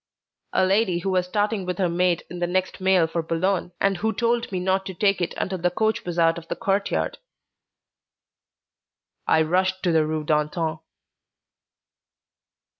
"A lady who was starting with her maid in the next mail for Boulogne, and who told me not to take it until the coach was out of the courtyard." I rushed to the Rue d'Antin.